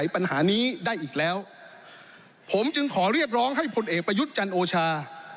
ผมจึงขอเรียกร้องให้ผลเอกประยุทธ์จันทร์โอชา